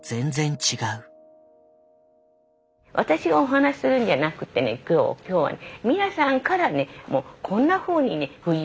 私がお話しするんじゃなくってね今日は皆さんからねもうこんなふうにね不自由してるとかね